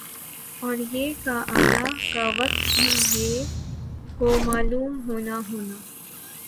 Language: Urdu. اور یِہ کا آنا کا وقت بھی یِہ کو معلوم ہونا ہونا